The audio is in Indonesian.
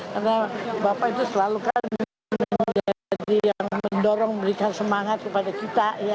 karena bapak itu selalu kan menjadi yang mendorong memberikan semangat kepada kita ya